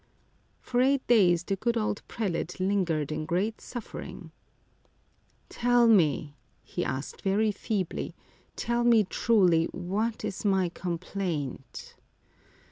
For eight days the good old prelate lingered in great suffering. Tell me," he asked very feebly ;" tell me truly, what is my complaint